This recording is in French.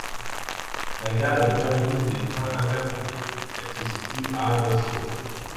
La gare est le terminus des trains inter-cités, elle se situe à d'Oslo.